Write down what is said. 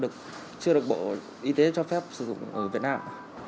lực chưa được bộ y tế cho phép sử dụng ở việt nam